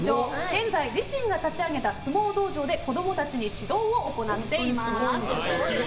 現在、自身が立ち上げた相撲道場で子供たちに指導を行っています。